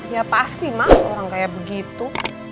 ya pasti mah orang kayak begitu